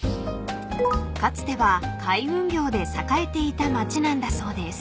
［かつては海運業で栄えていた町なんだそうです］